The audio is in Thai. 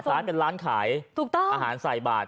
ฝั่งซ้ายเป็นร้านขายอาหารใส่บาท